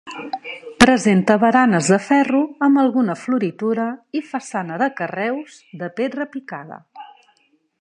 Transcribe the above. Presenta baranes de ferro amb alguna floritura i façana de carreus de pedra picada.